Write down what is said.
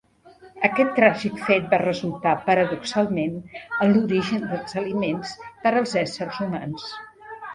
Aquest tràgic fet va resultar, paradoxalment, en l'origen dels aliments per als éssers humans.